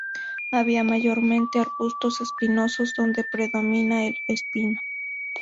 Había mayormente arbustos espinosos donde predomina el espino.